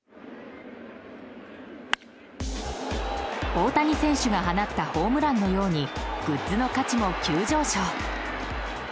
大谷選手が放ったホームランのようにグッズの価値も急上昇。